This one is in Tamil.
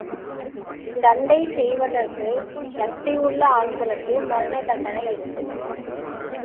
சண்டை செய்வதற்குச் சக்தியுள்ள ஆண்களுக்கு மரண தண்டனை இரண்டு.